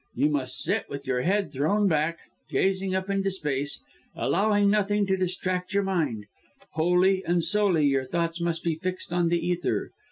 You must sit, with your head thrown back, gazing up into space allowing nothing to distract your mind. Wholly and solely, your thoughts must be fixed on the ether.